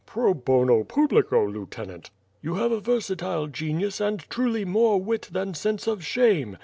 "Pro bono publico, Lieutenant." "You have a versatile genius, and truly more wit than sense of shame.